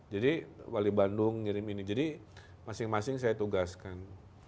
jadi wali bandung ngirim ini jadi masing masing saya tugaskan